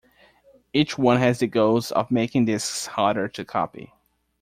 Each one has the goals of making discs harder to copy.